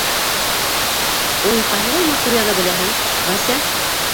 — Уй, ҡайһылай матур яҙа беләһең, Вася!